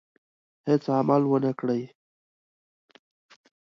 هېڅ عمل ونه کړي.